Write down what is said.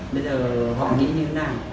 bây giờ họ nghĩ như thế nào